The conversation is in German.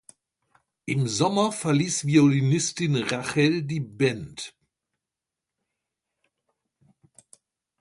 Im Sommer verließ Violinistin Rachel die Band.